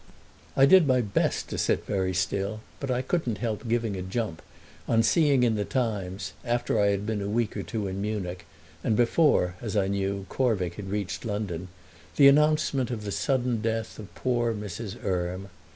I did my best to sit very still, but I couldn't help giving a jump on seeing in The Times, after I had been a week or two in Munich and before, as I knew, Corvick had reached London, the announcement of the sudden death of poor Mrs. Erme.